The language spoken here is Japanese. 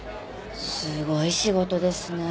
すごい仕事ですね。